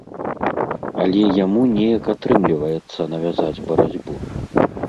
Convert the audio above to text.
Але яму неяк атрымліваецца навязаць барацьбу.